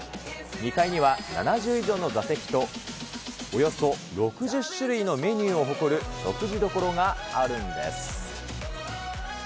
２階には７０以上の座席と、およそ６０種類のメニューを誇る食事どころがあるんです。